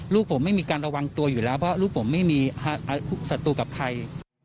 ลูกผมไม่มีการระวังตัวอยู่แล้วเพราะลูกผมไม่มีศัตรูกับใคร